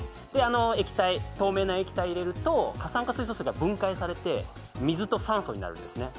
透明な液体を入れると過酸化水素が分解されて、水と酸素になるんですね。